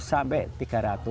dua ratus sampai tiga ratus